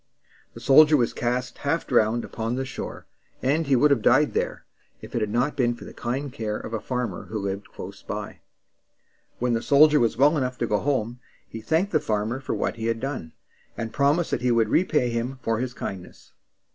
The soldier was cast half drowned upon the shore; and he would have died there, had it not been for the kind care of a farmer who lived close by. When the soldier was well enough to go home, he thanked the farmer for what he had done, and promised that he would repay him for his kindness.